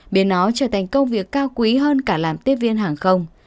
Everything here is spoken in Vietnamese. biến nó trở thành công việc cao quý hơn cả làm tiếp viên hàng không